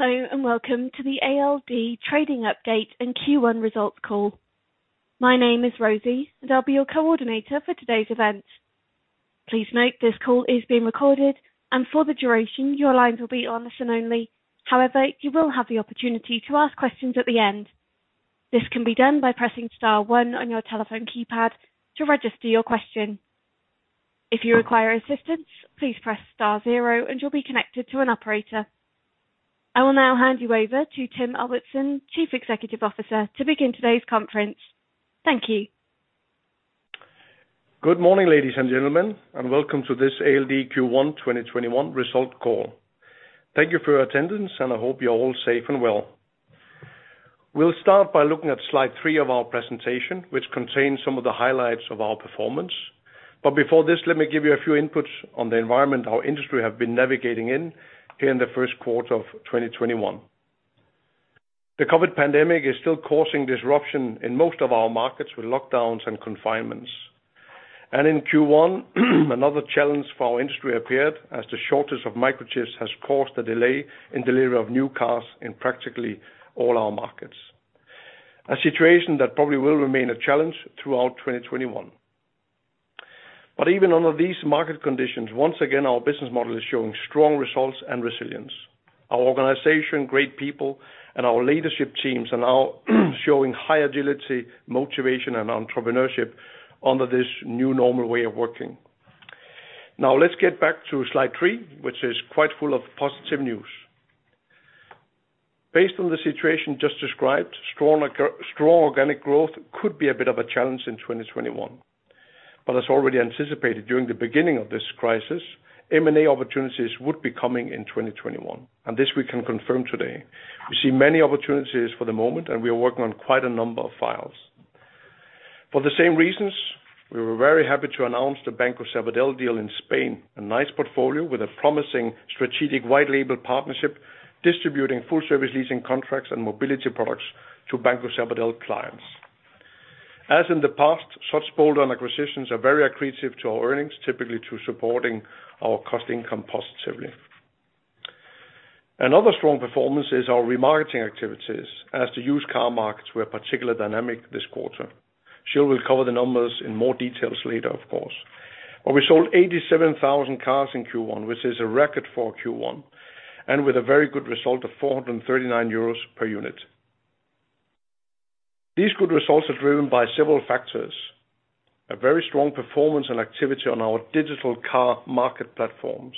Hello, welcome to the ALD trading update and Q1 results call. My name is Rosie, and I'll be your coordinator for today's event. Please note this call is being recorded, and for the duration, your lines will be on listen only. However, you will have the opportunity to ask questions at the end. This can be done by pressing star one on your telephone keypad to register your question. If you require assistance, please press star zero, and you'll be connected to an operator. I will now hand you over to Tim Albertsen, Chief Executive Officer, to begin today's conference. Thank you. Good morning, ladies and gentlemen, welcome to this ALD Q1 2021 result call. Thank you for your attendance, I hope you're all safe and well. We'll start by looking at slide three of our presentation, which contains some of the highlights of our performance. Before this, let me give you a few inputs on the environment our industry has been navigating in here in the first quarter of 2021. The COVID pandemic is still causing disruption in most of our markets with lockdowns and confinements. In Q1, another challenge for our industry appeared as the shortage of microchips has caused a delay in delivery of new cars in practically all our markets, a situation that probably will remain a challenge throughout 2021. Even under these market conditions, once again, our business model is showing strong results and resilience. Our organization, great people, and our leadership teams are now showing high agility, motivation, and entrepreneurship under this new normal way of working. Now, let's get back to slide three, which is quite full of positive news. Based on the situation just described, strong organic growth could be a bit of a challenge in 2021. As already anticipated during the beginning of this crisis, M&A opportunities would be coming in 2021, and this we can confirm today. We see many opportunities for the moment, and we are working on quite a number of files. For the same reasons, we were very happy to announce the Banco Sabadell deal in Spain, a nice portfolio with a promising strategic white label partnership distributing full service leasing contracts and mobility products to Banco Sabadell clients. As in the past, such bolt-on acquisitions are very accretive to our earnings, typically through supporting our cost income positively. Another strong performance is our remarketing activities, as the used car markets were particularly dynamic this quarter. Gilles will cover the numbers in more details later, of course. We sold 87,000 cars in Q1, which is a record for Q1, and with a very good result of 439 euros per unit. These good results are driven by several factors, a very strong performance and activity on our digital car market platforms,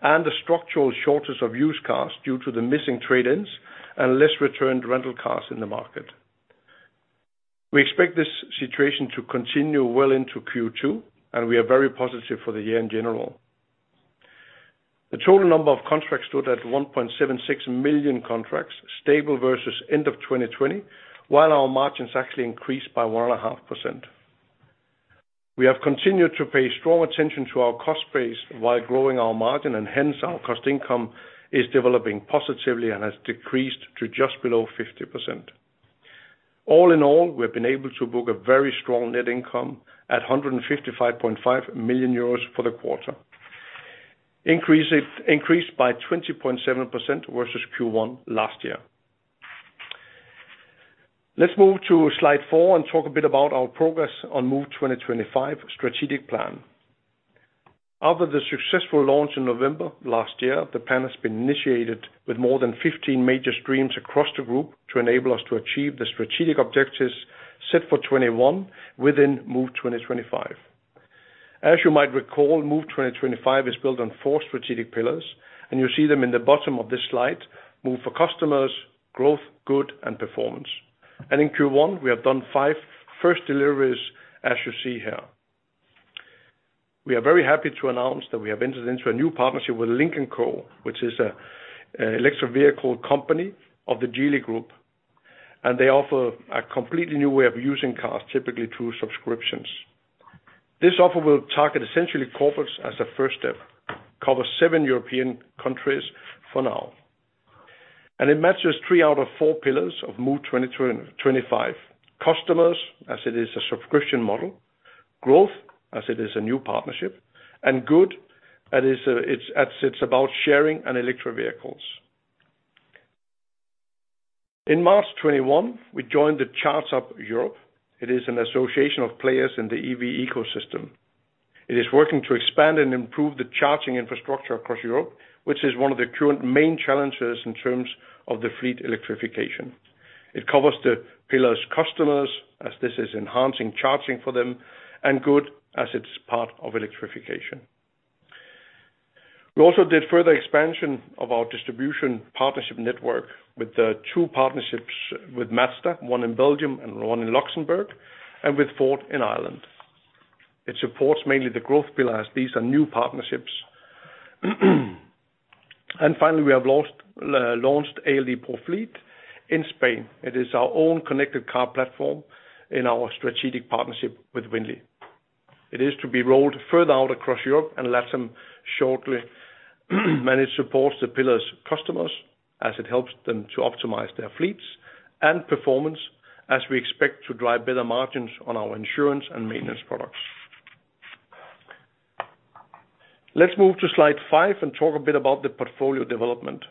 and a structural shortage of used cars due to the missing trade-ins and less returned rental cars in the market. We expect this situation to continue well into Q2, and we are very positive for the year in general. The total number of contracts stood at 1.76 million contracts, stable versus end of 2020, while our margins actually increased by 1.5%. We have continued to pay strong attention to our cost base while growing our margin, and hence, our cost income is developing positively and has decreased to just below 50%. All in all, we have been able to book a very strong net income at 155.5 million euros for the quarter, increased by 20.7% versus Q1 last year. Let's move to slide four and talk a bit about our progress on Move 2025 strategic plan. After the successful launch in November last year, the plan has been initiated with more than 15 major streams across the group to enable us to achieve the strategic objectives set for 2021 within Move 2025. As you might recall, Move 2025 is built on four strategic pillars, and you see them in the bottom of this slide, Move for Customers, Growth, Good, and Performance. In Q1, we have done five first deliveries, as you see here. We are very happy to announce that we have entered into a new partnership with Lynk & Co, which is an electric vehicle company of the Geely Group, and they offer a completely new way of using cars, typically through subscriptions. This offer will target essentially corporates as a first step, cover seven European countries for now. It matches three out of four pillars of Move 2025. Customers, as it is a subscription model, Growth, as it is a new partnership, and Good, as it's about sharing and electric vehicles. In March 2021, we joined the ChargeUp Europe. It is an association of players in the EV ecosystem. It is working to expand and improve the charging infrastructure across Europe, which is one of the current main challenges in terms of the fleet electrification. It covers the pillars customers, as this is enhancing charging for them, and good, as it's part of electrification. We also did further expansion of our distribution partnership network with the two partnerships with Mazda, one in Belgium and one in Luxembourg, and with Ford in Ireland. It supports mainly the growth pillars. These are new partnerships. Finally, we have launched ALD ProFleet in Spain. It is our own connected car platform in our strategic partnership with Vinli. It is to be rolled further out across Europe and Luxembourg shortly. It supports the pillars customers, as it helps them to optimize their fleets, and performance, as we expect to drive better margins on our insurance and maintenance products. Let's move to slide five and talk a bit about the portfolio development.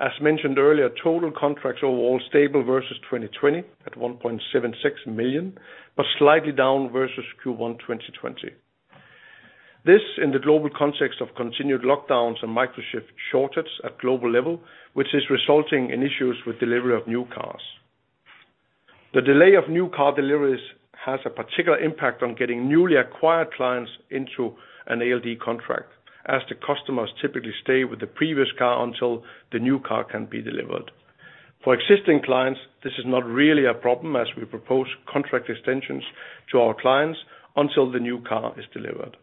As mentioned earlier, total contracts overall stable versus 2020 at 1.76 million, but slightly down versus Q1 2020. This, in the global context of continued lockdowns and microchip shortage at global level, which is resulting in issues with delivery of new cars. The delay of new car deliveries has a particular impact on getting newly acquired clients into an ALD contract, as the customers typically stay with the previous car until the new car can be delivered. For existing clients, this is not really a problem as we propose contract extensions to our clients until the new car is delivered.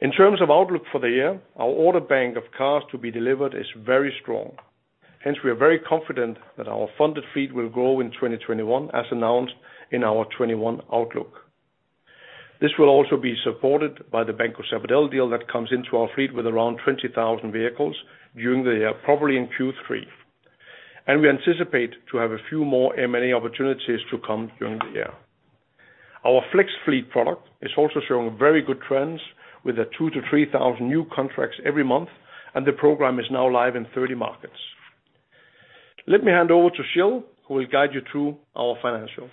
In terms of outlook for the year, our order bank of cars to be delivered is very strong. We are very confident that our funded fleet will grow in 2021 as announced in our 2021 outlook. This will also be supported by the Banco Sabadell deal that comes into our fleet with around 20,000 vehicles during the year, probably in Q3, and we anticipate to have a few more M&A opportunities to come during the year. Our Flex Fleet product is also showing very good trends with a 2,000-3,000 new contracts every month, and the program is now live in 30 markets. Let me hand over to Gilles, who will guide you through our financials.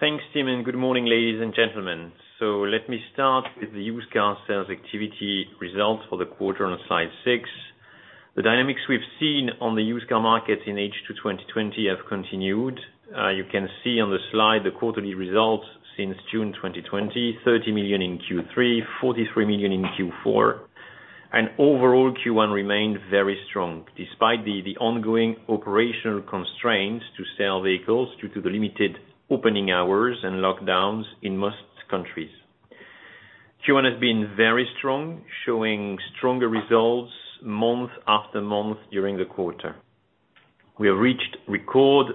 Thanks, Tim. Good morning, ladies and gentlemen. Let me start with the used car sales activity results for the quarter on slide six. The dynamics we've seen on the used car market in H2 2020 have continued. You can see on the slide the quarterly results since June 2020, 30 million in Q3, 43 million in Q4, and overall Q1 remained very strong despite the ongoing operational constraints to sell vehicles due to the limited opening hours and lockdowns in most countries. Q1 has been very strong, showing stronger results month after month during the quarter. We have reached record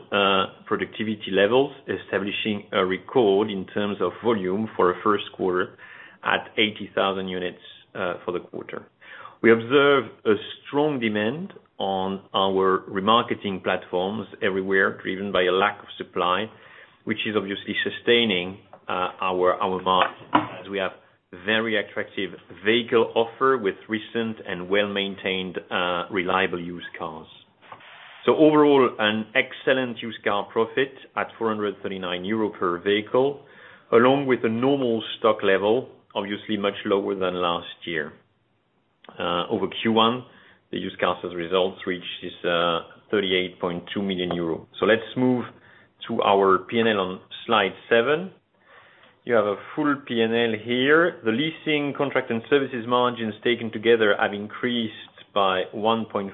productivity levels, establishing a record in terms of volume for a first quarter at 80,000 units for the quarter. We observed a strong demand on our remarketing platforms everywhere, driven by a lack of supply, which is obviously sustaining our margin as we have very attractive vehicle offer with recent and well-maintained, reliable used cars. Overall, an excellent used car profit at 439 euro per vehicle, along with a normal stock level, obviously much lower than last year. Over Q1, the used cars results reached is 38.2 million euro. Let's move to our P&L on slide seven. You have a full P&L here. The leasing contract and services margins taken together have increased by 1.5%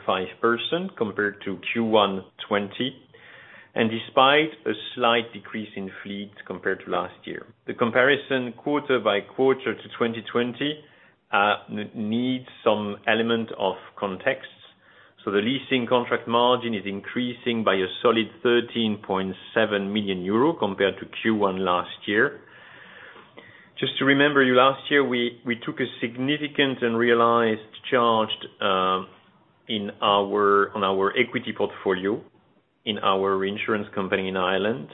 compared to Q1 2020, and despite a slight decrease in fleet compared to last year. The comparison quarter by quarter to 2020 needs some element of context, the leasing contract margin is increasing by a solid 13.7 million euro compared to Q1 last year. Just to remember you, last year, we took a significant and realized charge on our equity portfolio in our reinsurance company in Ireland.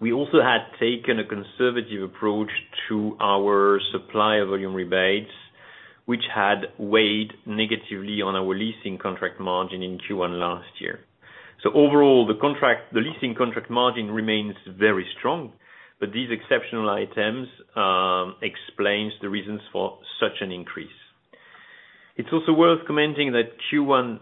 We also had taken a conservative approach to our supplier volume rebates, which had weighed negatively on our leasing contract margin in Q1 last year. Overall, the leasing contract margin remains very strong, but these exceptional items explain the reasons for such an increase. It's also worth commenting that Q1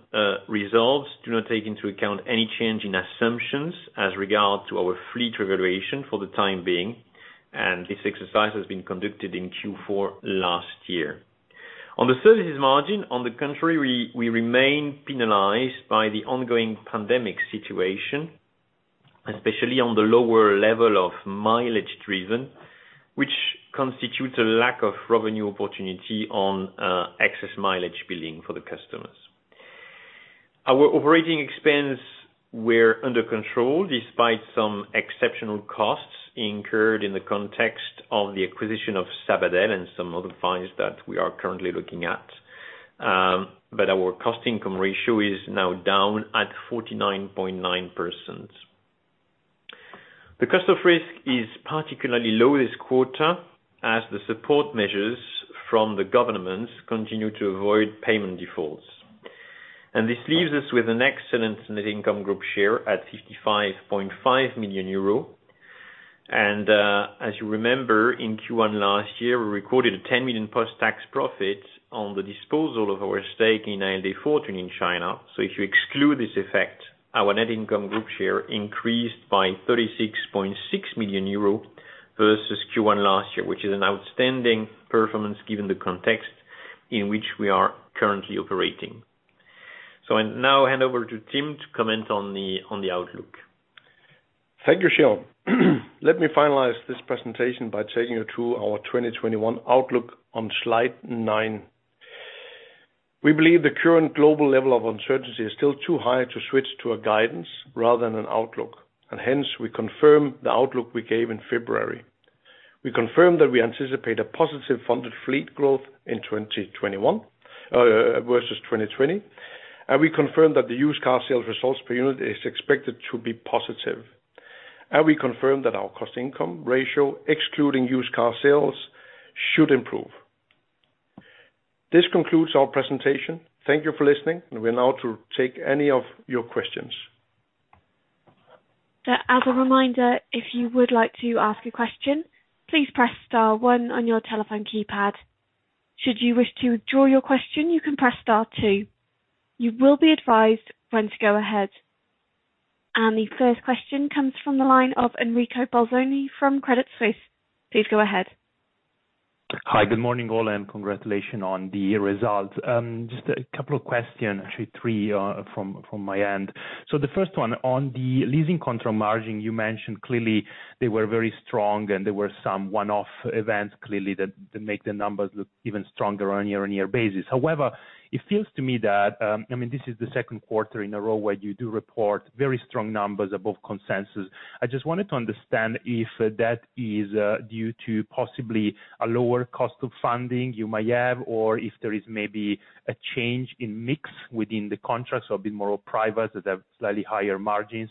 results do not take into account any change in assumptions as regards to our fleet revaluation for the time being, and this exercise has been conducted in Q4 last year. On the services margin, on the contrary, we remain penalized by the ongoing pandemic situation, especially on the lower level of mileage driven, which constitutes a lack of revenue opportunity on excess mileage billing for the customers. Our operating expense were under control despite some exceptional costs incurred in the context of the acquisition of Sabadell and some other files that we are currently looking at, our cost income ratio is now down at 49.9%. The cost of risk is particularly low this quarter as the support measures from the governments continue to avoid payment defaults. This leaves us with an excellent net income group share at 55.5 million euro. As you remember, in Q1 last year, we recorded a 10 million post-tax profit on the disposal of our stake in ALD Fortune in China. If you exclude this effect, our net income group share increased by 36.6 million euro versus Q1 last year, which is an outstanding performance given the context in which we are currently operating. I now hand over to Tim to comment on the outlook. Thank you, Gilles. Let me finalize this presentation by taking you through our 2021 outlook on slide nine. We believe the current global level of uncertainty is still too high to switch to a guidance rather than an outlook, and hence we confirm the outlook we gave in February. We confirm that we anticipate a positive funded fleet growth in 2021 versus 2020, and we confirm that the used car sales results per unit is expected to be positive. We confirm that our cost income ratio, excluding used car sales, should improve. This concludes our presentation. Thank you for listening, and we're now to take any of your questions. As a reminder, If you would like to ask your question, please press star one on your telphone keypad. Should you wish to withdraw your question, you can press star two. You will be advise once you go ahead. The first question comes from the line of Enrico Bolzoni from Credit Suisse. Please go ahead. Hi. Good morning, all, and congratulations on the results. Just a couple of questions, actually three, from my end. The first one, on the leasing contract margin, you mentioned clearly they were very strong and there were some one-off events clearly that make the numbers look even stronger on a year-on-year basis. However, it feels to me that, this is the second quarter in a row where you do report very strong numbers above consensus. I just wanted to understand if that is due to possibly a lower cost of funding you might have, or if there is maybe a change in mix within the contracts or a bit more private that have slightly higher margins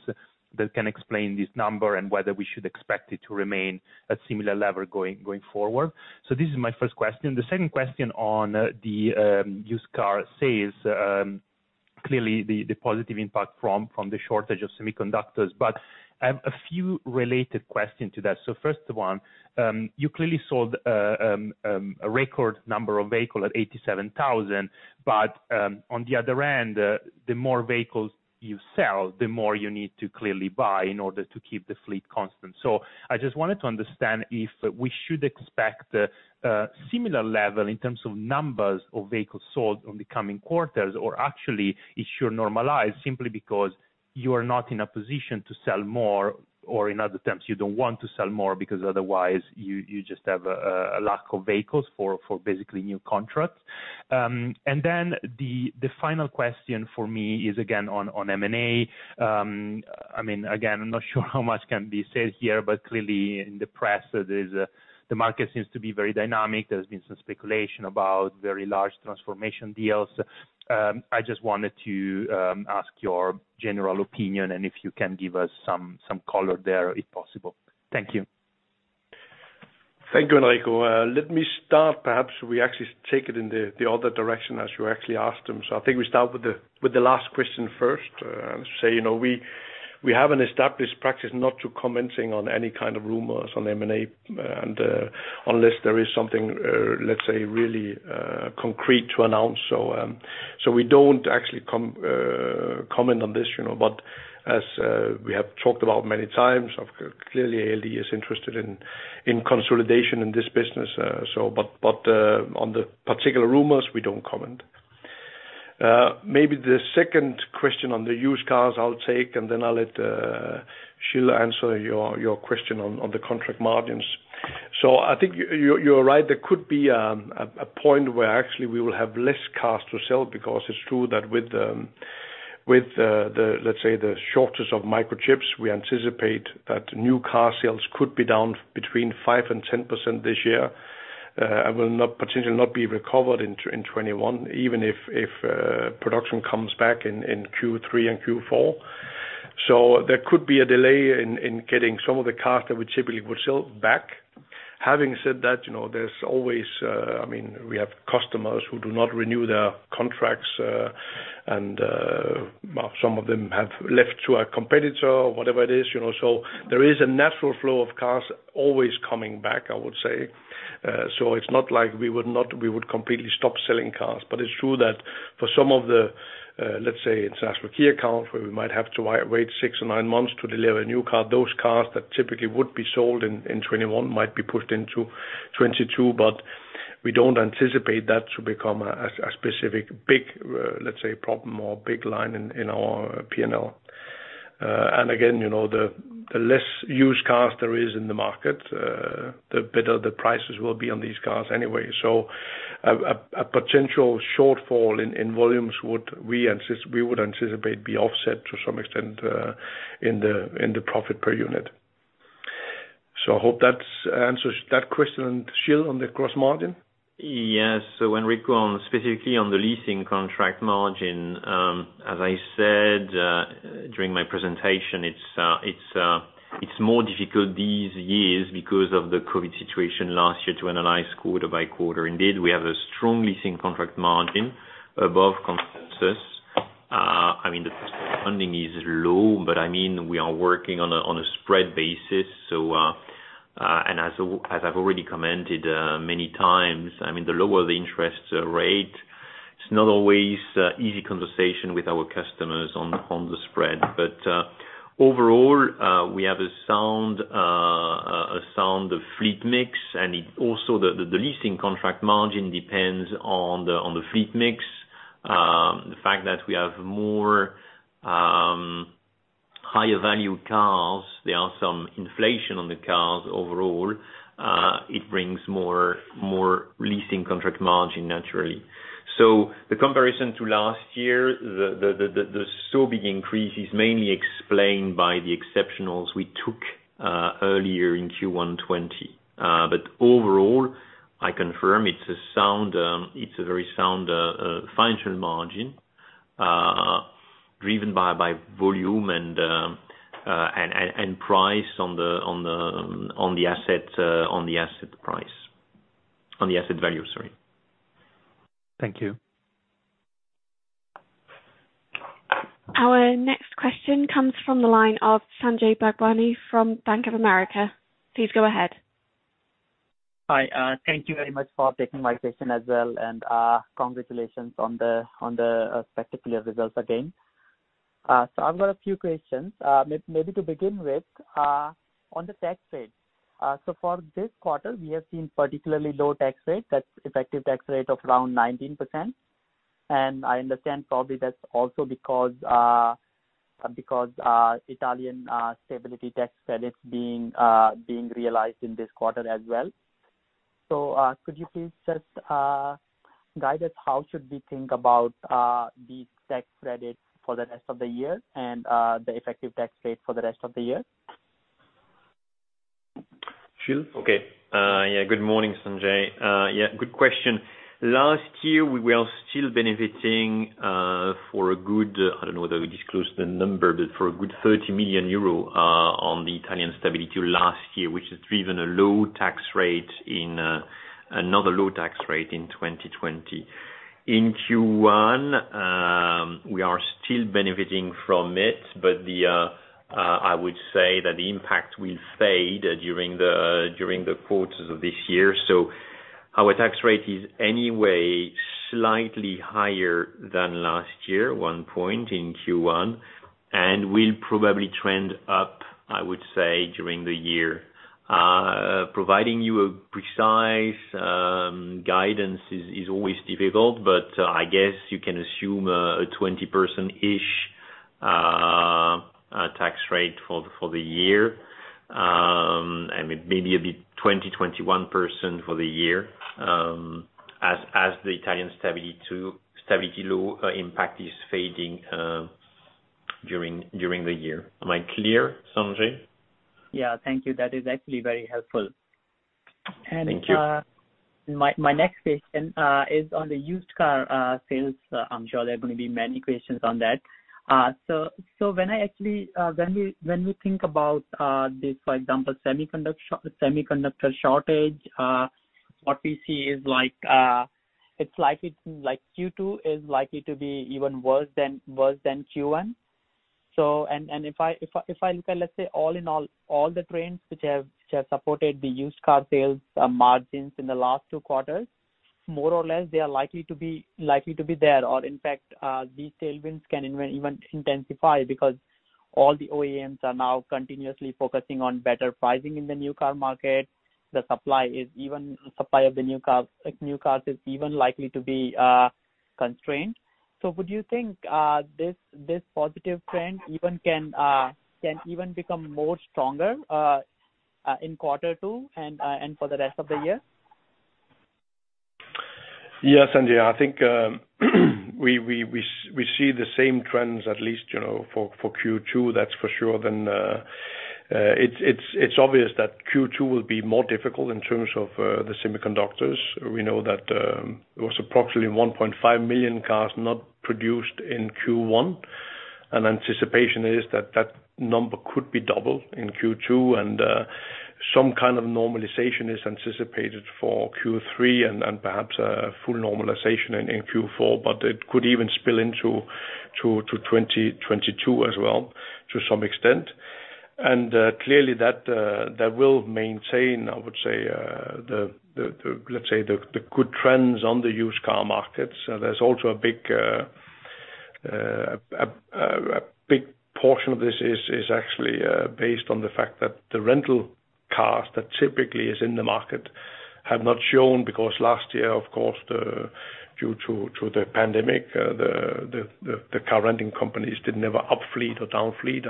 that can explain this number, and whether we should expect it to remain at similar level going forward. This is my first question. The second question on the used car sales, clearly the positive impact from the shortage of semiconductors, but I have a few related questions to that. First one, you clearly sold a record number of vehicle at 87,000. On the other end, the more vehicles you sell, the more you need to clearly buy in order to keep the fleet constant. I just wanted to understand if we should expect a similar level in terms of numbers of vehicles sold on the coming quarters or actually it should normalize simply because you are not in a position to sell more, or in other terms, you don't want to sell more because otherwise you just have a lack of vehicles for basically new contracts. The final question for me is again on M&A. I'm not sure how much can be said here, but clearly in the press, the market seems to be very dynamic. There's been some speculation about very large transformation deals. I just wanted to ask your general opinion and if you can give us some color there if possible. Thank you. Thank you, Enrico. Let me start, perhaps we actually take it in the other direction as you actually asked them. I think we start with the last question first. We have an established practice not to commenting on any kind of rumors on M&A, unless there is something, let's say, really concrete to announce. We don't actually comment on this. As we have talked about many times, clearly ALD is interested in consolidation in this business. On the particular rumors, we don't comment. Maybe the second question on the used cars, I'll take, and then I'll let Gilles answer your question on the contract margins. I think you're right. There could be a point where actually we will have less cars to sell because it's true that with, let's say, the shortage of microchips, we anticipate that new car sales could be down between 5% and 10% this year, and will potentially not be recovered in 2021, even if production comes back in Q3 and Q4. There could be a delay in getting some of the cars that we typically would sell back. Having said that, we have customers who do not renew their contracts, and some of them have left to a competitor or whatever it is. There is a natural flow of cars always coming back, I would say. It's not like we would completely stop selling cars. It's true that for some of the, let's say it's actually key accounts where we might have to wait six or nine months to deliver a new car. Those cars that typically would be sold in 2021 might be pushed into 2022, we don't anticipate that to become a specific big, let's say, problem or big line in our P&L. Again, the less used cars there is in the market, the better the prices will be on these cars anyway. A potential shortfall in volumes we would anticipate be offset to some extent in the profit per unit. I hope that answers that question. Gilles, on the gross margin? Yes. Enrico, specifically on the leasing contract margin, as I said during my presentation, it's more difficult these years because of the COVID situation last year to analyze quarter by quarter. Indeed, we have a strong leasing contract margin above consensus. The cost of funding is low, we are working on a spread basis. As I've already commented many times, the lower the interest rate, it's not always a easy conversation with our customers on the spread. Overall, we have a sound fleet mix, and also the leasing contract margin depends on the fleet mix. The fact that we have more higher value cars, there are some inflation on the cars overall. It brings more leasing contract margin naturally. The comparison to last year, the so big increase is mainly explained by the exceptionals we took earlier in Q1 2020. Overall, I confirm it's a very sound financial margin. Driven by volume and price on the asset value, sorry. Thank you. Our next question comes from the line of Sanjay Bhagwani from Bank of America. Please go ahead. Hi. Thank you very much for taking my question as well, and congratulations on the spectacular results again. I've got a few questions. Maybe to begin with, on the tax rate. For this quarter, we have seen particularly low tax rate, that's effective tax rate of around 19%. I understand probably that's also because Italian Stability Law tax credits being realized in this quarter as well. Could you please just guide us how should we think about these tax credits for the rest of the year and the effective tax rate for the rest of the year? Gilles? Good morning, Sanjay. Good question. Last year, we were still benefiting for a good, I don't know whether we disclosed the number, but for a good 30 million euro on the Italian Stability Law last year, which has driven another low tax rate in 2020. In Q1, we are still benefiting from it, but I would say that the impact will fade during the quarters of this year. Our tax rate is anyway slightly higher than last year, one point in Q1, and will probably trend up, I would say, during the year. Providing you a precise guidance is always difficult, but I guess you can assume a 20%-ish tax rate for the year. Maybe a bit 20%, 21% for the year, as the Italian Stability Law impact is fading during the year. Am I clear, Sanjay? Yeah. Thank you. That is actually very helpful. Thank you. My next question is on the used car sales. I'm sure there are going to be many questions on that. When we think about this, for example, semiconductor shortage, what we see is Q2 is likely to be even worse than Q1. If I look at, let's say all in all the trends which have supported the used car sales margins in the last two quarters, more or less, they are likely to be there or in fact, these tailwinds can even intensify because all the OEMs are now continuously focusing on better pricing in the new car market. The supply of the new cars is even likely to be constrained. Would you think this positive trend can even become more stronger in quarter two and for the rest of the year? Yeah, Sanjay, I think we see the same trends at least for Q2, that's for sure. It's obvious that Q2 will be more difficult in terms of the semiconductors. We know that it was approximately 1.5 million cars not produced in Q1. Anticipation is that that number could be double in Q2 and some kind of normalization is anticipated for Q3 and perhaps a full normalization in Q4, but it could even spill into 2022 as well, to some extent. Clearly that will maintain, I would say, let's say the good trends on the used car markets. There's also a big portion of this is actually based on the fact that the rental cars that typically is in the market have not shown because last year, of course, due to the pandemic, the car renting companies did never up fleet or down fleet.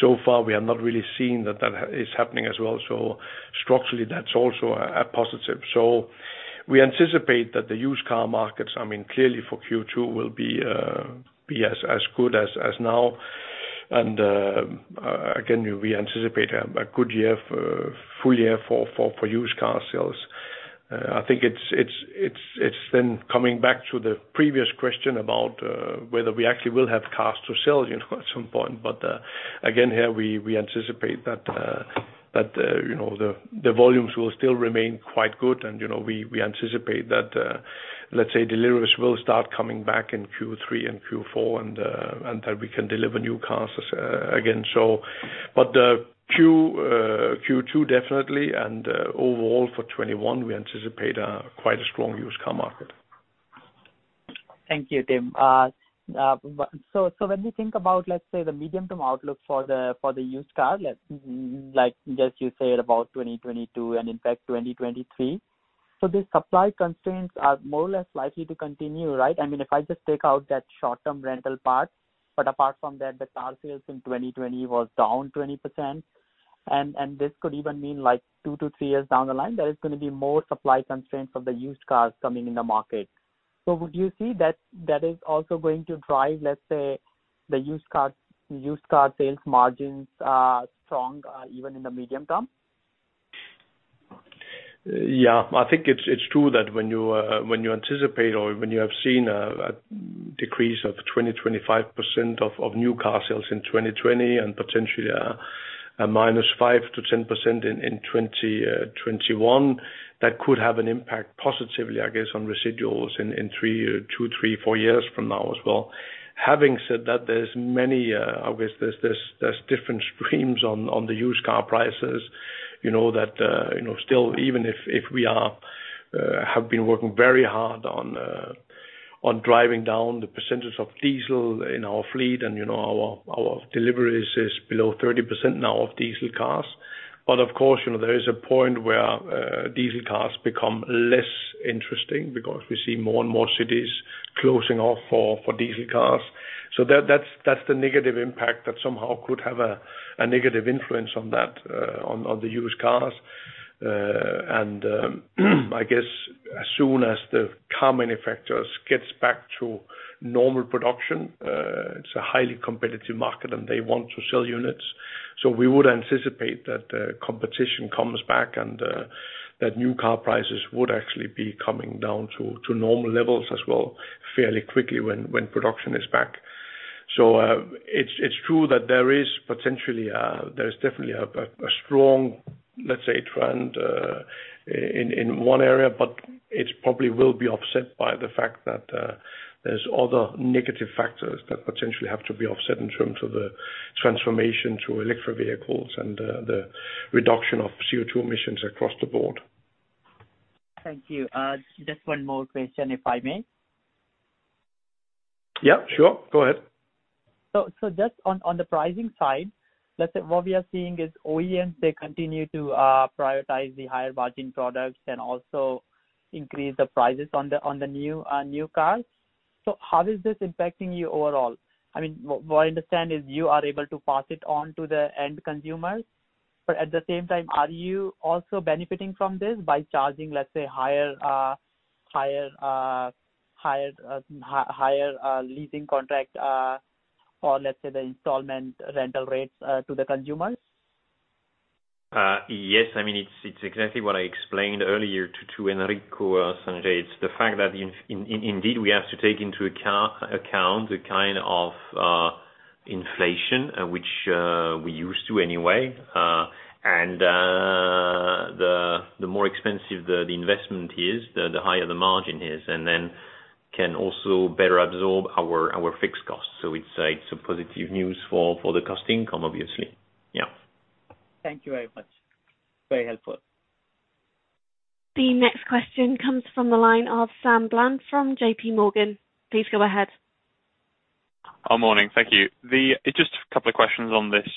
So far, we have not really seen that that is happening as well. Structurally, that's also a positive. We anticipate that the used car markets, clearly for Q2, will be as good as now. Again, we anticipate a good year, full year for used car sales. I think it's then coming back to the previous question about whether we actually will have cars to sell at some point. Again, here we anticipate that the volumes will still remain quite good and we anticipate that, let's say deliveries will start coming back in Q3 and Q4 and that we can deliver new cars again. Q2 definitely and overall for 2021, we anticipate quite a strong used car market. Thank you, Tim. When we think about, let's say the medium-term outlook for the used car, like just you said about 2022 and in fact 2023. The supply constraints are more or less likely to continue, right? If I just take out that short-term rental part, but apart from that, the car sales in 2020 was down 20%, and this could even mean like two to three years down the line, there is going to be more supply constraints of the used cars coming in the market. Would you see that is also going to drive, let's say, the used car sales margins strong, even in the medium term? Yeah, I think it's true that when you anticipate or when you have seen a decrease of 20%, 25% of new car sales in 2020 and potentially a -5% to 10% in 2021, that could have an impact positively, I guess, on residuals in two, three, four years from now as well. Having said that, there's many difference schemes on the used car products. You know that still, even if we have been working very hard on driving down the percentage of diesel in our fleet, and our deliveries is below 30% now of diesel cars. Of course, there is a point where diesel cars become less interesting because we see more and more cities closing off for diesel cars. That's the negative impact that somehow could have a negative influence on the used cars. I guess as soon as the car manufacturers gets back to normal production, it's a highly competitive market, and they want to sell units. We would anticipate that the competition comes back and that new car prices would actually be coming down to normal levels as well, fairly quickly when production is back. It's true that there is definitely a strong, let's say, trend in one area, but it probably will be offset by the fact that there's other negative factors that potentially have to be offset in terms of the transformation to electric vehicles and the reduction of CO2 emissions across the board. Thank you. Just one more question, if I may. Yeah, sure. Go ahead. Just on the pricing side, let's say what we are seeing is OEMs, they continue to prioritize the higher margin products and also increase the prices on the new cars. How is this impacting you overall? What I understand is you are able to pass it on to the end consumers, but at the same time, are you also benefiting from this by charging, let's say, higher leasing contract, or let's say the installment rental rates to the consumers? Yes. It's exactly what I explained earlier to Enrico, Sanjay. It's the fact that indeed, we have to take into account the kind of inflation which we used to anyway. The more expensive the investment is, the higher the margin is and then can also better absorb our fixed costs. We'd say it's a positive news for the cost income, obviously. Yeah. Thank you very much. Very helpful. The next question comes from the line of Sam Bland from JPMorgan. Please go ahead. Good morning. Thank you. Just a couple of questions on this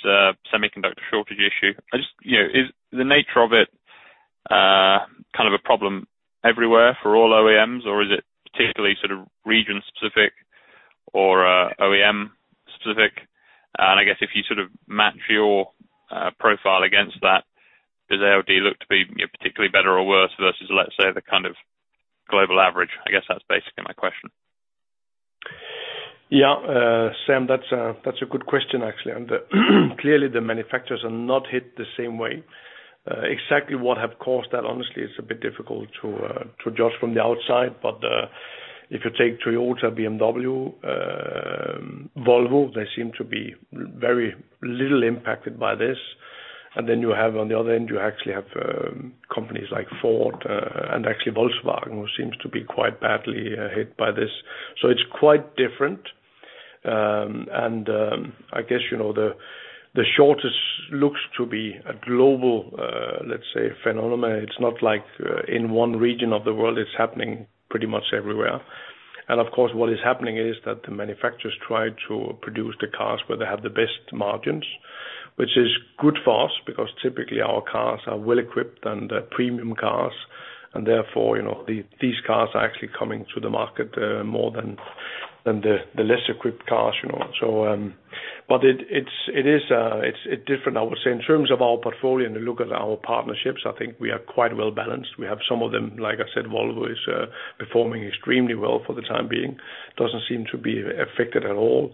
semiconductor shortage issue. Is the nature of it kind of a problem everywhere for all OEMs or is it particularly region specific or OEM specific? I guess if you sort of match your profile against that, does ALD look to be particularly better or worse versus, let's say, the kind of global average? I guess that's basically my question. Yeah. Sam, that's a good question, actually. Clearly the manufacturers are not hit the same way. Exactly what have caused that, honestly, it's a bit difficult to judge from the outside, but if you take Toyota, BMW, Volvo, they seem to be very little impacted by this. Then you have on the other end, you actually have companies like Ford, and actually Volkswagen, who seems to be quite badly hit by this. It's quite different. I guess the shortage looks to be a global, let's say, phenomenon. It's not like in one region of the world. It's happening pretty much everywhere. What is happening is that the manufacturers try to produce the cars where they have the best margins, which is good for us because typically our cars are well-equipped and they are premium cars, and therefore, these cars are actually coming to the market more than the less equipped cars. It is different, I would say. In terms of our portfolio and the look at our partnerships, I think we are quite well-balanced. We have some of them, like I said, Volvo is performing extremely well for the time being. Doesn't seem to be affected at all.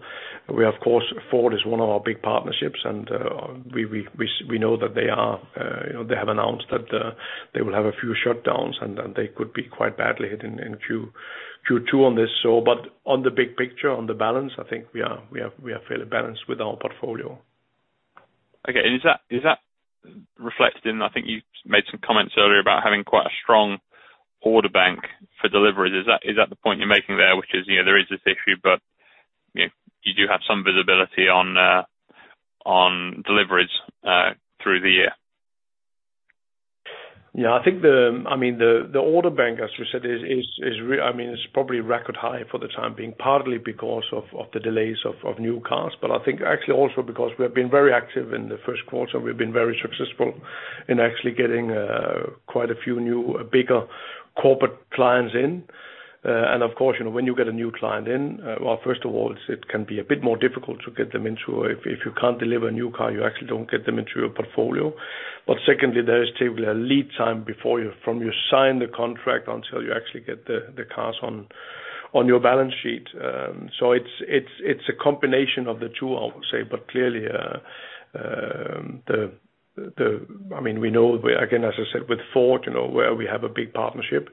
Ford is one of our big partnerships, and we know that they have announced that they will have a few shutdowns, and they could be quite badly hit in Q2 on this. On the big picture, on the balance, I think we are fairly balanced with our portfolio. Okay. Is that reflected in, I think you made some comments earlier about having quite a strong order bank for deliveries? Is that the point you're making there, which is, there is this issue, but you do have some visibility on deliveries through the year? Yeah, the order bank, as we said, it's probably record high for the time being, partly because of the delays of new cars. I think actually also because we have been very active in the first quarter, we've been very successful in actually getting quite a few new, bigger corporate clients in. Of course, when you get a new client in, well, first of all, it can be a bit more difficult to get them into if you can't deliver a new car, you actually don't get them into your portfolio. Secondly, there is typically a lead time from you sign the contract until you actually get the cars on your balance sheet. It's a combination of the two, I would say, but clearly, we know, again, as I said, with Ford, where we have a big partnership,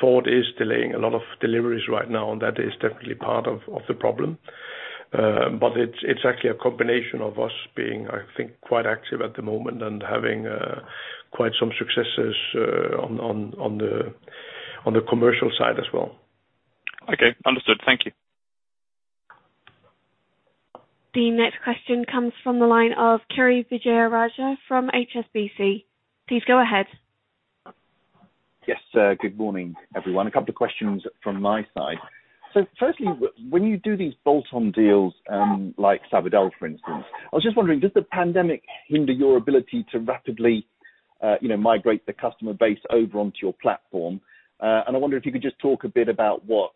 Ford is delaying a lot of deliveries right now, and that is definitely part of the problem. It's actually a combination of us being, I think, quite active at the moment and having quite some successes on the commercial side as well. Okay. Understood. Thank you. The next question comes from the line of Kiri Vijayarajah from HSBC. Please go ahead. Yes. Good morning, everyone. A couple of questions from my side. Firstly, when you do these bolt-on deals, like Sabadell, for instance, I was just wondering, does the pandemic hinder your ability to rapidly migrate the customer base over onto your platform? I wonder if you could just talk a bit about what,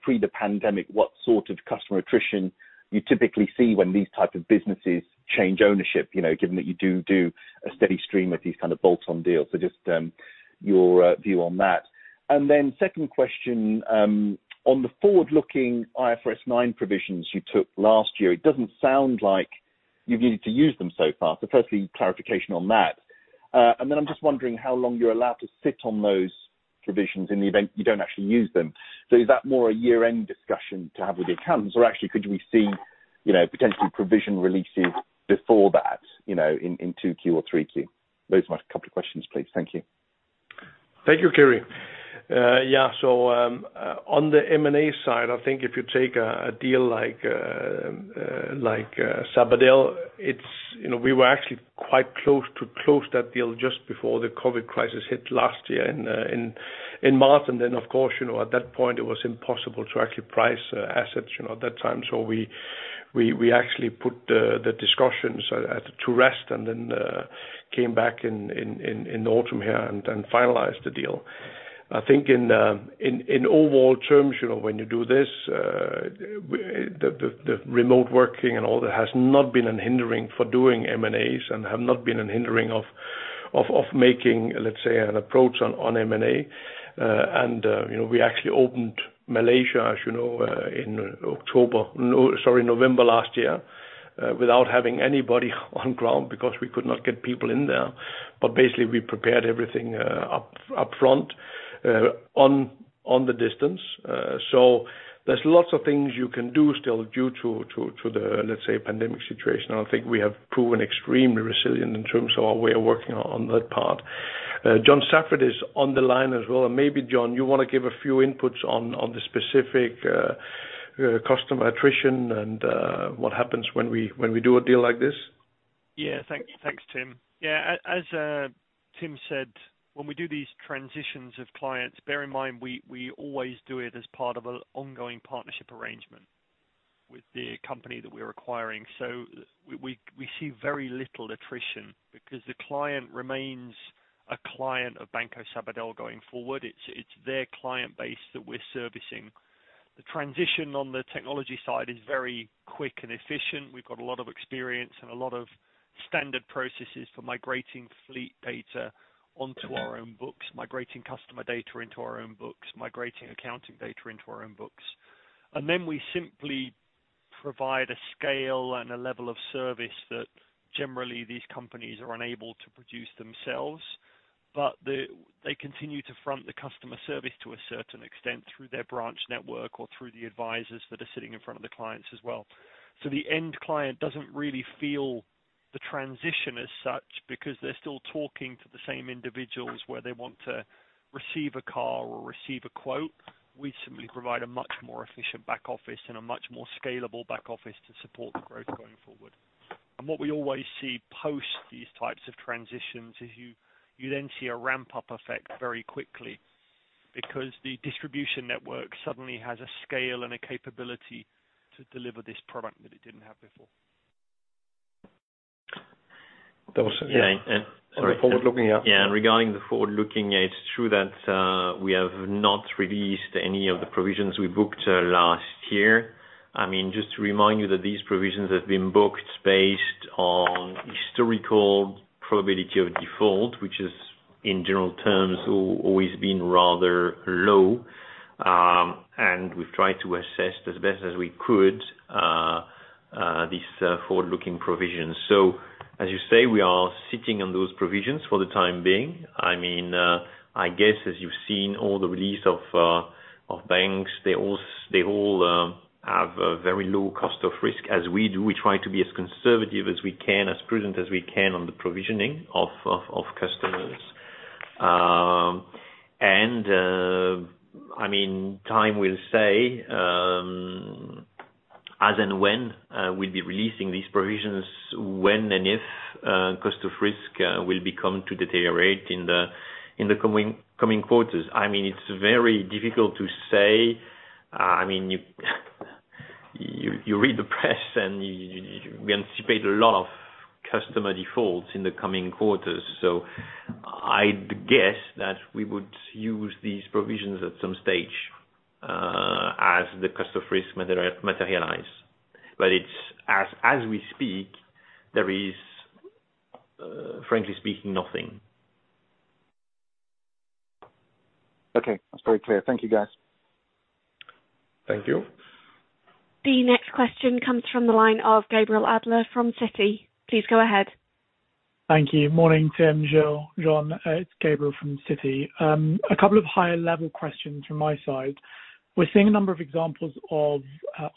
pre-pandemic, what sort of customer attrition you typically see when these type of businesses change ownership, given that you do a steady stream of these kind of bolt-on deals. Just, your view on that. Second question, on the forward-looking IFRS 9 provisions you took last year, it doesn't sound like you've needed to use them so far. Firstly, clarification on that. I'm just wondering how long you're allowed to sit on those provisions in the event you don't actually use them. Is that more a year-end discussion to have with the accountants, or actually could we see potentially provision releases before that in 2Q or 3Q? Those are my couple of questions, please. Thank you. Thank you, Kiri. On the M&A side, I think if you take a deal like Sabadell, we were actually quite close to close that deal just before the COVID crisis hit last year in March, and then, of course, at that point it was impossible to actually price assets that time. We actually put the discussions to rest and then came back in the autumn here and finalized the deal. I think in overall terms, when you do this, the remote working and all that has not been a hindering for doing M&As and have not been a hindering of making, let's say, an approach on M&A. We actually opened Malaysia, as you know, in November last year, without having anybody on ground because we could not get people in there. Basically, we prepared everything up front on the distance. There's lots of things you can do still due to the, let's say, pandemic situation. I think we have proven extremely resilient in terms of our way of working on that part. John Saffrett is on the line as well. Maybe, John, you want to give a few inputs on the specific customer attrition and what happens when we do a deal like this? Thanks, Tim. As Tim said, when we do these transitions of clients, bear in mind, we always do it as part of an ongoing partnership arrangement with the company that we're acquiring. We see very little attrition because the client remains a client of Banco Sabadell going forward. It's their client base that we're servicing. The transition on the technology side is very quick and efficient. We've got a lot of experience and a lot of standard processes for migrating fleet data onto our own books, migrating customer data into our own books, migrating accounting data into our own books. We simply provide a scale and a level of service that generally these companies are unable to produce themselves, but they continue to front the customer service to a certain extent through their branch network or through the advisors that are sitting in front of the clients as well. The end client doesn't really feel the transition as such because they're still talking to the same individuals where they want to receive a car or receive a quote. We simply provide a much more efficient back office and a much more scalable back office to support the growth going forward. What we always see post these types of transitions is you then see a ramp-up effect very quickly because the distribution network suddenly has a scale and a capability to deliver this product that it didn't have before. Yeah. On the forward-looking, yeah. Yeah. Regarding the forward-looking, it is true that we have not released any of the provisions we booked last year. Just to remind you that these provisions have been booked based on historical probability of default, which has, in general terms, always been rather low. We've tried to assess, as best as we could, these forward-looking provisions. As you say, we are sitting on those provisions for the time being. I guess as you've seen all the release of banks, they all have a very low cost of risk, as we do. We try to be as conservative as we can, as prudent as we can on the provisioning of customers. Time will say as and when we will be releasing these provisions, when and if cost of risk will become to deteriorate in the coming quarters. It is very difficult to say. You read the press, and you anticipate a lot of customer defaults in the coming quarters. I'd guess that we would use these provisions at some stage, as the cost of risk materialize. As we speak, there is, frankly speaking, nothing. Okay. That's very clear. Thank you, guys. Thank you. The next question comes from the line of Gabriel Adler from Citi. Please go ahead. Thank you. Morning, Tim, Gilles, John. It's Gabriel from Citi. A couple of higher-level questions from my side. We're seeing a number of examples of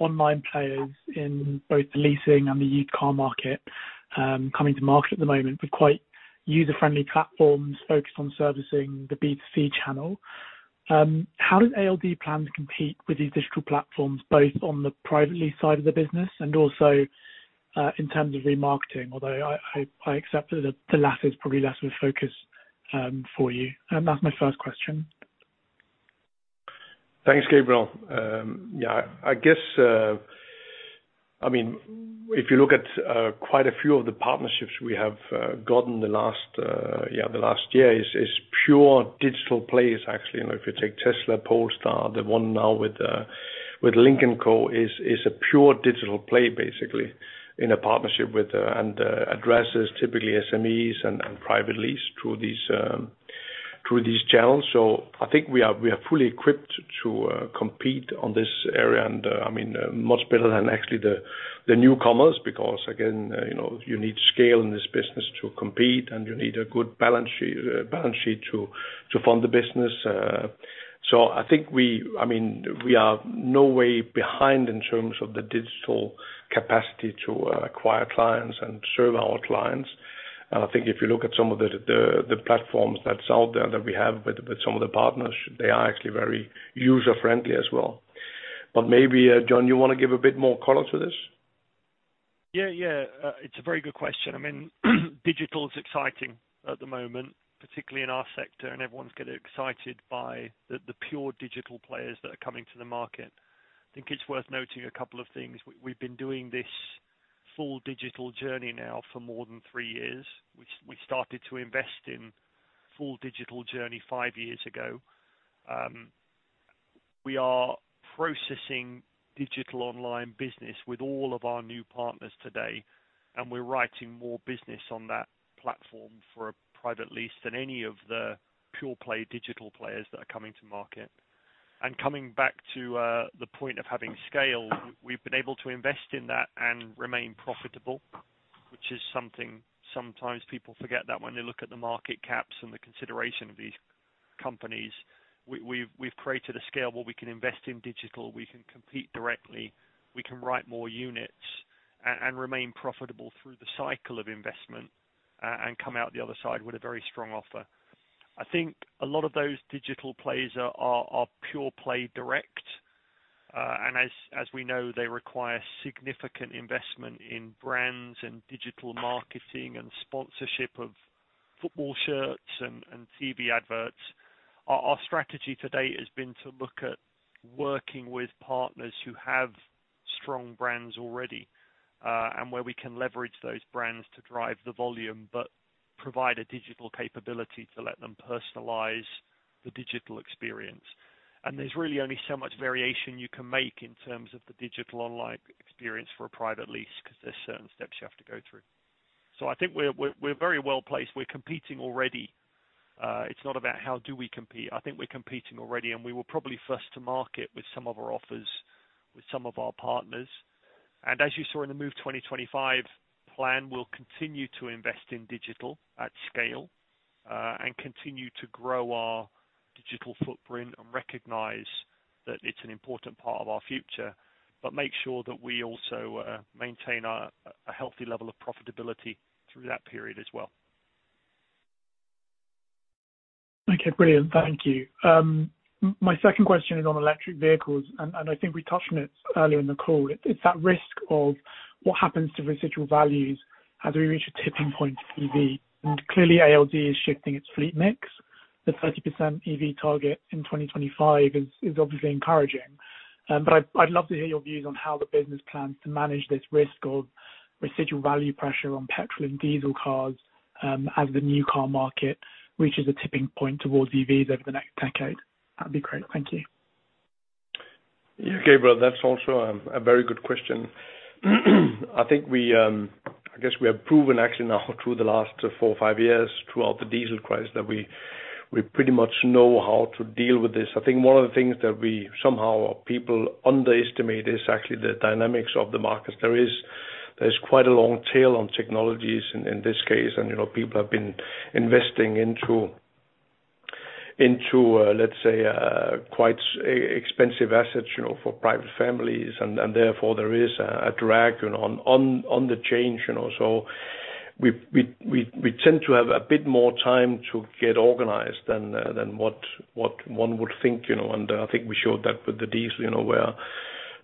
online players in both the leasing and the used car market coming to market at the moment with quite user-friendly platforms focused on servicing the B2C channel. How does ALD plan to compete with these digital platforms, both on the private side of the business and also, in terms of remarketing? Although I accept that the latter is probably less of a focus for you. That's my first question. Thanks, Gabriel. I guess, if you look at quite a few of the partnerships we have gotten the last year is pure digital plays, actually. If you take Tesla, Polestar, the one now with Lynk & Co is a pure digital play, basically, in a partnership with and addresses typically SMEs and private lease through these channels. I think we are fully equipped to compete on this area and much better than actually the newcomers because, again, you need scale in this business to compete, and you need a good balance sheet to fund the business. I think we are no way behind in terms of the digital capacity to acquire clients and serve our clients. I think if you look at some of the platforms that is out there that we have with some of the partners, they are actually very user-friendly as well. Maybe, John, you want to give a bit more color to this? Yeah. It's a very good question. Digital is exciting at the moment, particularly in our sector, and everyone's getting excited by the pure digital players that are coming to the market. I think it's worth noting a couple of things. We've been doing this full digital journey now for more than three years. We started to invest in full digital journey five years ago. We are processing digital online business with all of our new partners today, and we're writing more business on that platform for a private lease than any of the pure play digital players that are coming to market. Coming back to the point of having scale, we've been able to invest in that and remain profitable, which is something sometimes people forget that when they look at the market caps and the consideration of these companies. We've created a scale where we can invest in digital, we can compete directly, we can write more units and remain profitable through the cycle of investment, and come out the other side with a very strong offer. I think a lot of those digital plays are pure play direct. As we know, they require significant investment in brands and digital marketing and sponsorship of football shirts and TV adverts. Our strategy to date has been to look at working with partners who have strong brands already, and where we can leverage those brands to drive the volume but provide a digital capability to let them personalize the digital experience. There's really only so much variation you can make in terms of the digital online experience for a private lease because there's certain steps you have to go through. I think we're very well-placed. We're competing already. It's not about how do we compete. I think we're competing already, and we will probably first to market with some of our offers with some of our partners. As you saw in the Move 2025 plan, we'll continue to invest in digital at scale, and continue to grow our digital footprint and recognize that it's an important part of our future, but make sure that we also maintain a healthy level of profitability through that period as well. Okay, brilliant. Thank you. My second question is on electric vehicles. I think we touched on it earlier in the call. It's that risk of what happens to residual values as we reach a tipping point for EV. Clearly, ALD is shifting its fleet mix. The 30% EV target in 2025 is obviously encouraging. I'd love to hear your views on how the business plans to manage this risk of residual value pressure on petrol and diesel cars, as the new car market reaches a tipping point towards EVs over the next decade. That'd be great. Thank you. Yeah, Gabriel, that's also a very good question. I guess we have proven actually now through the last four or five years throughout the diesel crisis, that we pretty much know how to deal with this. I think one of the things that we somehow people underestimate is actually the dynamics of the market. There is quite a long tail on technologies in this case, people have been investing into, let's say, quite expensive assets for private families and therefore, there is a drag on the change. We tend to have a bit more time to get organized than what one would think. I think we showed that with the diesel, where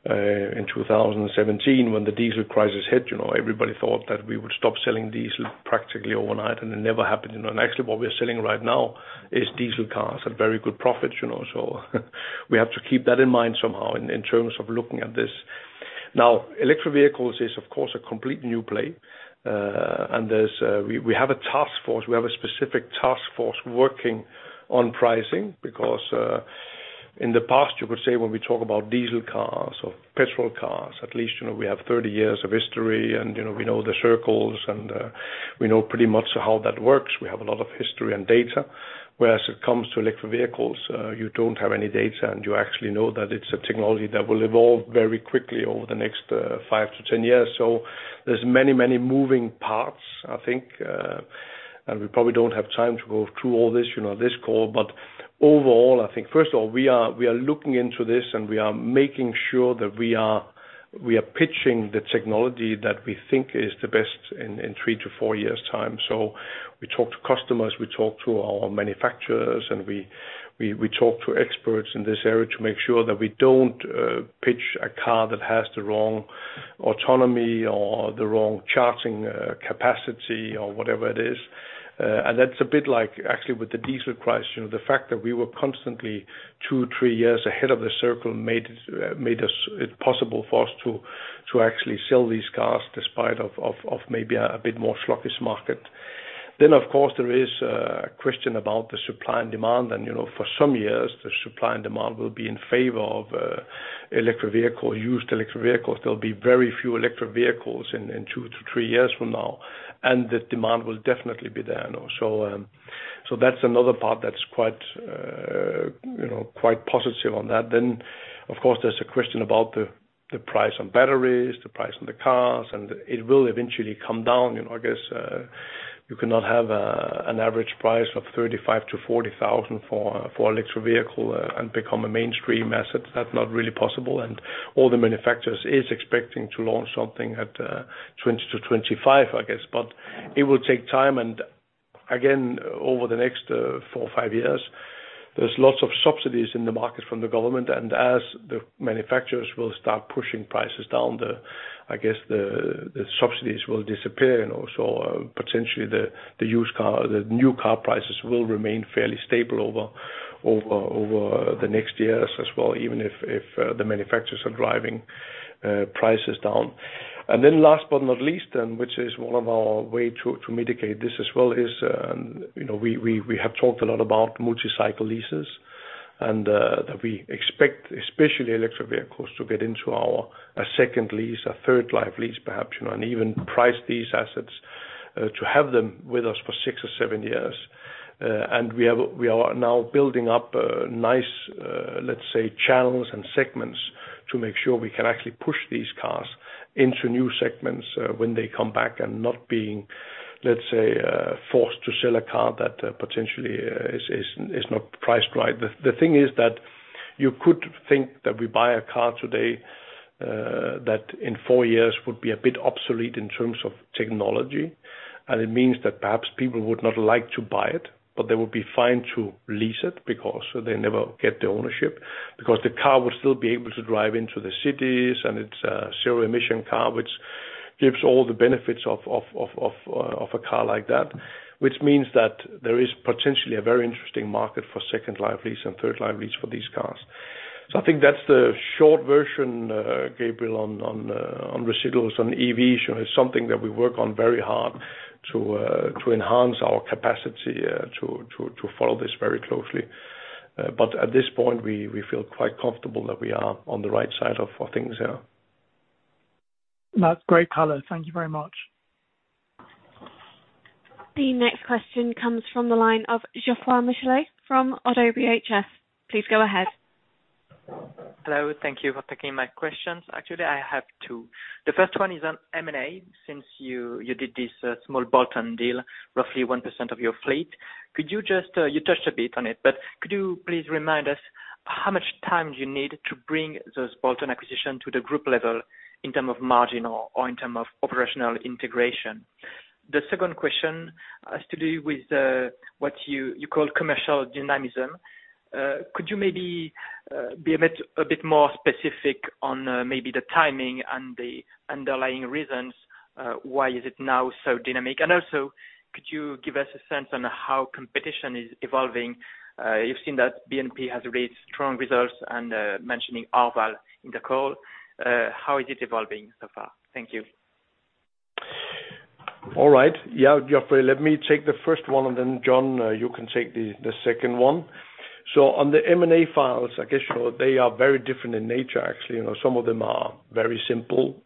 in 2017, when the diesel crisis hit, everybody thought that we would stop selling diesel practically overnight, and it never happened. Actually, what we're selling right now is diesel cars at very good profits. We have to keep that in mind somehow in terms of looking at this. Electric vehicles is, of course, a complete new play. We have a task force, we have a specific task force working on pricing because in the past, you could say when we talk about diesel cars or petrol cars, at least we have 30 years of history and we know the circles and we know pretty much how that works. We have a lot of history and data, whereas it comes to electric vehicles, you don't have any data, and you actually know that it's a technology that will evolve very quickly over the next 5-10 years. There's many, many moving parts, I think, and we probably don't have time to go through all this on this call. Overall, I think, first of all, we are looking into this, and we are making sure that we are pitching the technology that we think is the best in three to four years' time. We talk to customers, we talk to our manufacturers, and we talk to experts in this area to make sure that we don't pitch a car that has the wrong autonomy or the wrong charging capacity or whatever it is. That's a bit like actually with the diesel crisis, the fact that we were constantly two, three years ahead of the circle made it possible for us to actually sell these cars despite of maybe a bit more sluggish market. Of course, there is a question about the supply and demand. For some years, the supply and demand will be in favor of electric vehicle, used electric vehicles. There'll be very few electric vehicles in two to three years from now, and the demand will definitely be there now. That's another part that's quite positive on that. Of course, there's a question about the price on batteries, the price on the cars, and it will eventually come down. I guess you cannot have an average price of 35,000-40,000 for electric vehicle and become a mainstream asset. That's not really possible, and all the manufacturers is expecting to launch something at 20,000-25,000, I guess. It will take time, and again, over the next four or five years, there's lots of subsidies in the market from the government. As the manufacturers will start pushing prices down, I guess the subsidies will disappear, also potentially the new car prices will remain fairly stable over the next years as well, even if the manufacturers are driving prices down. Last but not least, which is one of our way to mitigate this as well is, we have talked a lot about multi-cycle leases, that we expect, especially electric vehicles, to get into our second lease, a third life lease, perhaps, even price these assets to have them with us for six or seven years. We are now building up nice, let's say, channels and segments to make sure we can actually push these cars into new segments when they come back and not being, let's say, forced to sell a car that potentially is not priced right. The thing is that you could think that we buy a car today that in four years would be a bit obsolete in terms of technology, and it means that perhaps people would not like to buy it, but they would be fine to lease it because they never get the ownership, because the car would still be able to drive into the cities and it's a zero emission car, which gives all the benefits of a car like that. Which means that there is potentially a very interesting market for second life lease and third life lease for these cars. I think that's the short version, Gabriel, on residuals on EVs. It's something that we work on very hard to enhance our capacity to follow this very closely. At this point, we feel quite comfortable that we are on the right side of things here. That's great color. Thank you very much. The next question comes from the line of Geoffroy Michalet from Oddo BHF. Please go ahead. Hello. Thank you for taking my questions. Actually, I have two. The first one is on M&A, since you did this small bolt-on deal, roughly 1% of your fleet. You touched a bit on it, but could you please remind us how much time you need to bring those bolt-on acquisition to the group level in term of margin or in term of operational integration? The second question has to do with what you call commercial dynamism. Could you maybe be a bit more specific on maybe the timing and the underlying reasons why is it now so dynamic? Could you give us a sense on how competition is evolving? You've seen that BNP has raised strong results and mentioning Arval in the call. How is it evolving so far? Thank you. All right. Yeah, Geoffroy, let me take the first one. John, you can take the second one. On the M&A files, I guess they are very different in nature, actually. Some of them are very simple.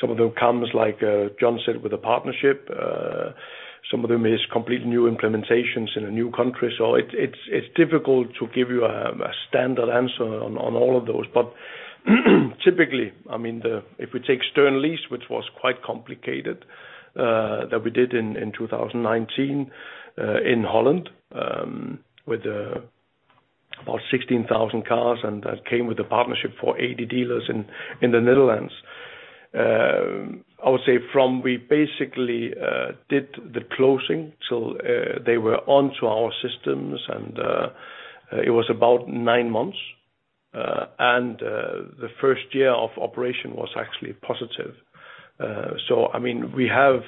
Some of them comes, like John said, with a partnership. Some of them is completely new implementations in a new country. It's difficult to give you a standard answer on all of those. Typically, if we take SternLease, which was quite complicated, that we did in 2019 in the Netherlands, with about 16,000 cars, and that came with a partnership for 80 dealers in the Netherlands. I would say from we basically did the closing till they were onto our systems, it was about nine months. The first year of operation was actually positive. We have,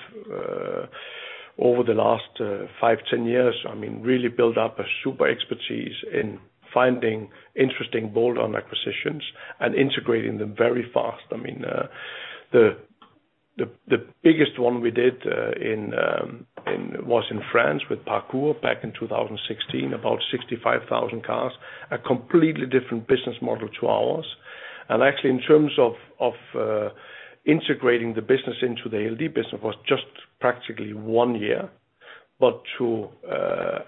over the last five, 10 years, really built up a super expertise in finding interesting bolt-on acquisitions and integrating them very fast. The biggest one we did was in France with Parcours back in 2016, about 65,000 cars, a completely different business model to ours. Actually, in terms of integrating the business into the ALD business was just practically one year. To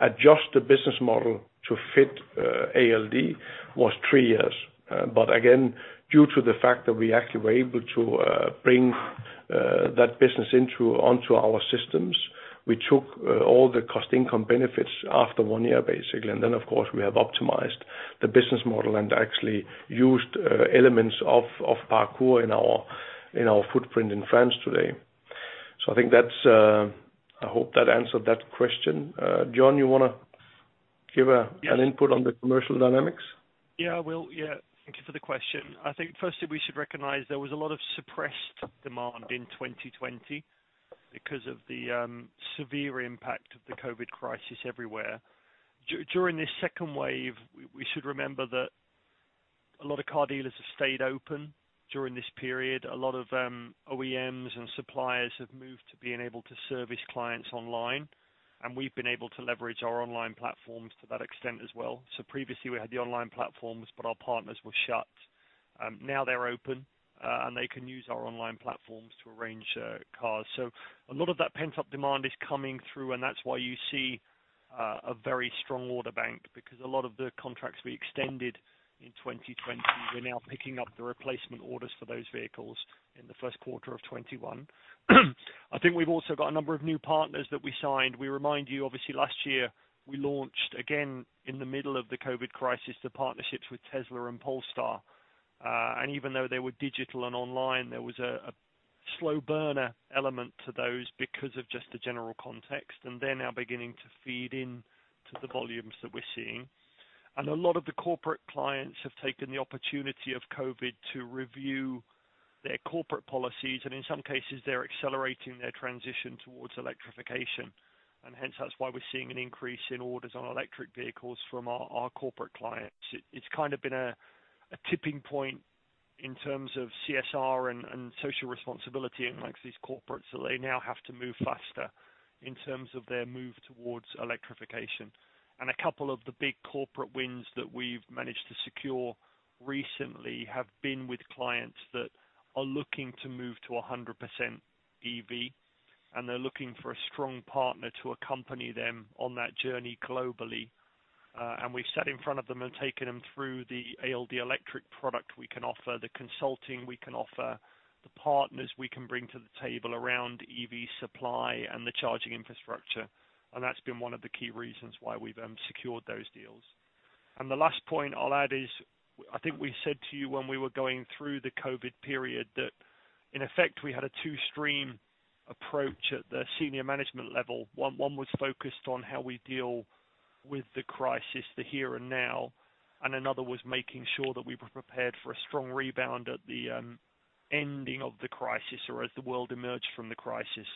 adjust the business model to fit ALD was three years. Again, due to the fact that we actually were able to bring that business onto our systems, we took all the cost income benefits after one year, basically. Of course, we have optimized the business model and actually used elements of Parcours in our footprint in France today. I hope that answered that question. John, you want to give an input on the commercial dynamics? I will. Thank you for the question. I think firstly, we should recognize there was a lot of suppressed demand in 2020 because of the severe impact of the COVID crisis everywhere. During this second wave, we should remember that a lot of car dealers have stayed open during this period. A lot of OEMs and suppliers have moved to being able to service clients online, and we've been able to leverage our online platforms to that extent as well. Previously, we had the online platforms, but our partners were shut. Now they're open, and they can use our online platforms to arrange cars. A lot of that pent-up demand is coming through, and that's why you see a very strong order bank, because a lot of the contracts we extended in 2020, we're now picking up the replacement orders for those vehicles in the first quarter of 2021. I think we've also got a number of new partners that we signed. We remind you, obviously last year, we launched again in the middle of the COVID crisis, the partnerships with Tesla and Polestar. Even though they were digital and online, there was a slow burner element to those because of just the general context. They're now beginning to feed into the volumes that we're seeing. A lot of the corporate clients have taken the opportunity of COVID to review their corporate policies, and in some cases, they're accelerating their transition towards electrification. Hence, that's why we're seeing an increase in orders on electric vehicles from our corporate clients. It's kind of been a tipping point in terms of CSR and social responsibility amongst these corporates that they now have to move faster in terms of their move towards electrification. A couple of the big corporate wins that we've managed to secure recently have been with clients that are looking to move to 100% EV, and they're looking for a strong partner to accompany them on that journey globally. We've sat in front of them and taken them through the ALD Electric product we can offer, the consulting we can offer, the partners we can bring to the table around EV supply and the charging infrastructure. That's been one of the key reasons why we've secured those deals. The last point I'll add is, I think we said to you when we were going through the COVID period, that in effect, we had a two-stream approach at the senior management level. One was focused on how we deal with the crisis, the here and now, and another was making sure that we were prepared for a strong rebound at the ending of the crisis or as the world emerged from the crisis.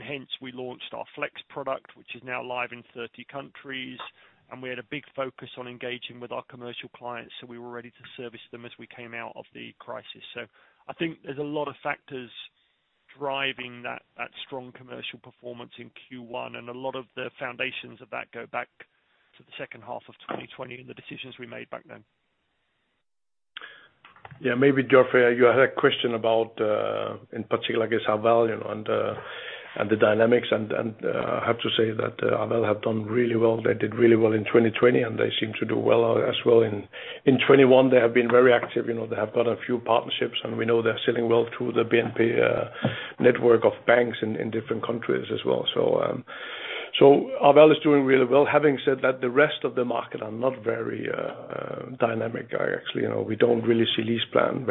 Hence, we launched our Flex product, which is now live in 30 countries, and we had a big focus on engaging with our commercial clients, so we were ready to service them as we came out of the crisis. I think there's a lot of factors driving that strong commercial performance in Q1, and a lot of the foundations of that go back to the second half of 2020 and the decisions we made back then. Maybe Geoffroy, you had a question about, in particular, I guess, Arval and the dynamics and I have to say that Arval have done really well. They did really well in 2020, they seem to do well as well in 2021. They have been very active. They have got a few partnerships, we know they're selling well through the BNP network of banks in different countries as well. Arval is doing really well. Having said that, the rest of the market are not very dynamic. Actually, we don't really see LeasePlan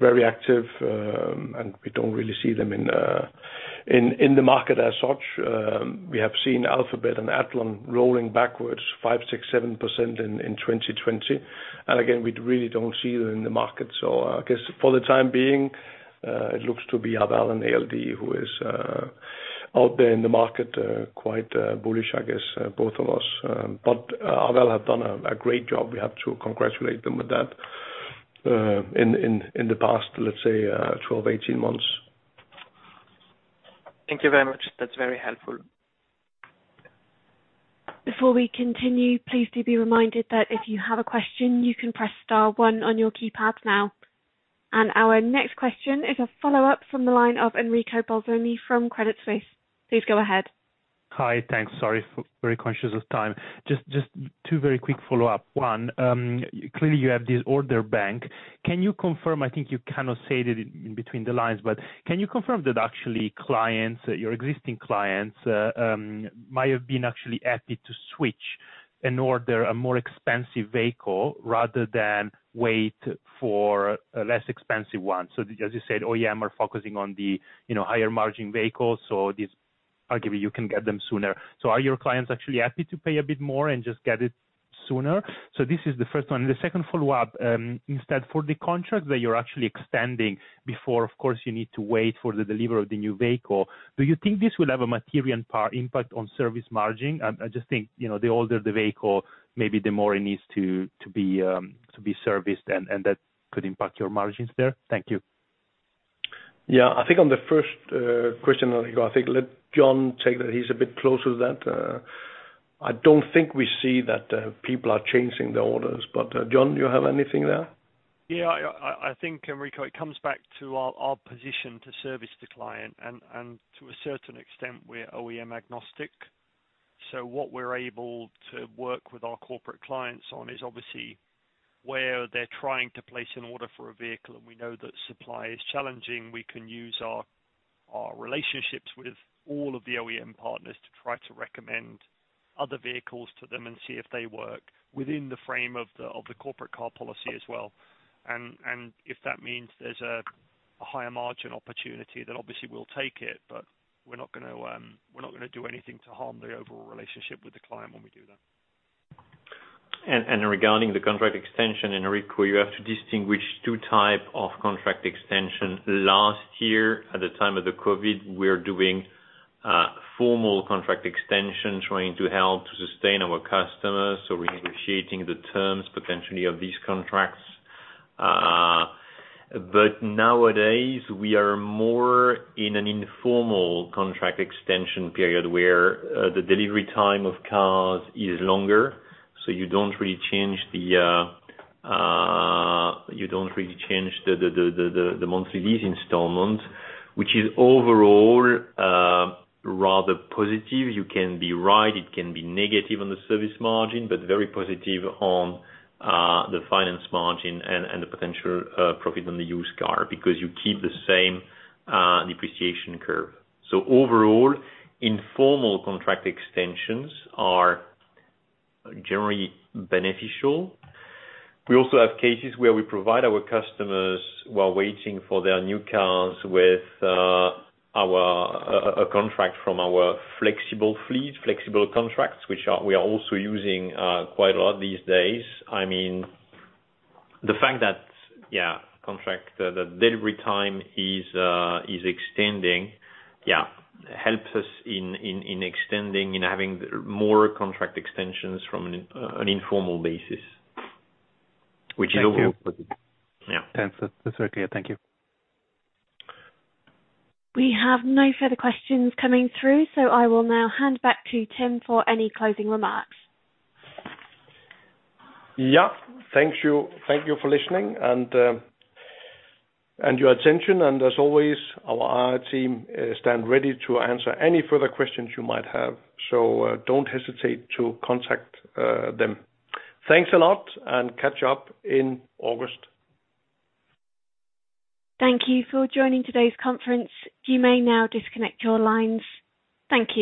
very active, we don't really see them in the market as such. We have seen Alphabet and Athlon rolling backwards 5%, 6%, 7% in 2020. Again, we really don't see them in the market. I guess for the time being, it looks to be Arval and ALD who is out there in the market, quite bullish, I guess, both of us. Arval have done a great job. We have to congratulate them with that. In the past, let's say, 12, 18 months. Thank you very much. That's very helpful. Before we continue, please do be reminded that if you have a question, you can press star one on your keypad now. Our next question is a follow-up from the line of Enrico Bolzoni from Credit Suisse. Please go ahead. Hi. Thanks. Sorry. Very conscious of time. Just two very quick follow-up. Clearly you have this order bank. Can you confirm, I think you kind of said it in between the lines, can you confirm that actually your existing clients might have been actually happy to switch and order a more expensive vehicle rather than wait for a less expensive one? As you said, OEM are focusing on the higher margin vehicles. These, arguably, you can get them sooner. Are your clients actually happy to pay a bit more and just get it sooner? This is the first one. The second follow-up, instead for the contract that you're actually extending before, of course, you need to wait for the delivery of the new vehicle. Do you think this will have a material impact on service margin? I just think, the older the vehicle, maybe the more it needs to be serviced, and that could impact your margins there. Thank you. Yeah, I think on the first question, Enrico, I think let John take that. He's a bit closer to that. I don't think we see that people are changing their orders, but John, you have anything there? Yeah, I think, Enrico, it comes back to our position to service the client, and to a certain extent, we're OEM agnostic. What we're able to work with our corporate clients on is obviously where they're trying to place an order for a vehicle, and we know that supply is challenging, we can use our relationships with all of the OEM partners to try to recommend other vehicles to them and see if they work within the frame of the corporate car policy as well. If that means there's a higher margin opportunity, then obviously we'll take it, but we're not going to do anything to harm the overall relationship with the client when we do that. Regarding the contract extension, Enrico, you have to distinguish two type of contract extension. Last year, at the time of the COVID, we're doing formal contract extension, trying to help to sustain our customers. Renegotiating the terms, potentially, of these contracts. Nowadays, we are more in an informal contract extension period, where the delivery time of cars is longer, so you don't really change the monthly lease installment, which is overall rather positive. You can be right, it can be negative on the service margin, but very positive on the finance margin and the potential profit on the used car, because you keep the same depreciation curve. Overall, informal contract extensions are generally beneficial. We also have cases where we provide our customers who are waiting for their new cars with a contract from our flexible fleet, flexible contracts, which we are also using quite a lot these days. The fact that, yeah, contract, the delivery time is extending, yeah, helps us in extending and having more contract extensions from an informal basis, which is overall positive. Thank you. Yeah. That's very clear. Thank you. We have no further questions coming through, so I will now hand back to Tim for any closing remarks. Thank you for listening and your attention, and as always, our IR team stand ready to answer any further questions you might have. Don't hesitate to contact them. Thanks a lot. Catch up in August. Thank you for joining today's conference. You may now disconnect your lines. Thank you.